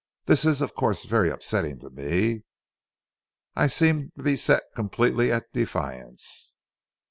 This is of course very upsetting to me. I seem to be set completely at defiance.